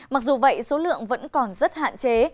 mặc dù vậy số lượng vẫn còn rất hạn chế